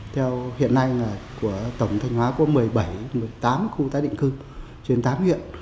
theo hiện nay của tổng thanh hóa có một mươi bảy một mươi tám khu tái định cư trên tám huyện